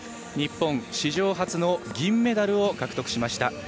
日本史上初の銀メダルを獲得しました。